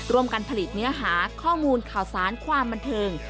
การผลิตเนื้อหาข้อมูลข่าวสารความบันเทิง